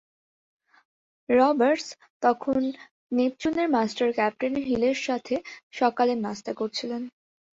Roberts তখন নেপচুনের master captain হিলের সাথে সকালের নাস্তা করছিলেন।